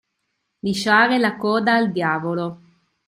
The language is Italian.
Lisciare la coda al diavolo.